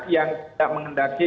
yang tidak menghendaki